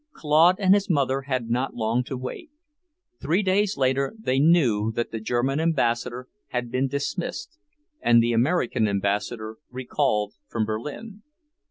Claude and his mother had not long to wait. Three days later they knew that the German ambassador had been dismissed, and the American ambassador recalled from Berlin.